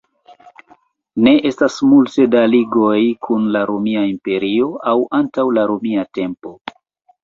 Ne estas multe da ligoj kun la Romia Imperio aŭ antaŭ la romia tempo.